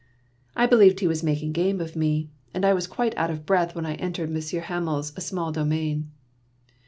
" I believed he was making game of me, and I was quite out of breath when I entered Monsieur Hamel's small domain.